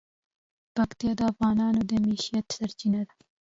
پکتیکا د افغانانو د معیشت سرچینه ده.